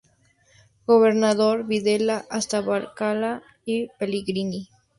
Gobernador Videla hasta Barcala y Pellegrini.